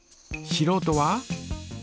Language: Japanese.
しろうとは？